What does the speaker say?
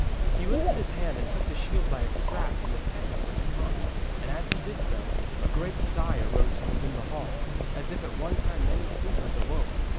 He lifted his hand and took the shield by its strap from the peg on which it hung, and as he did so, a great sigh arose from within the hall, as if at one time many sleepers awoke.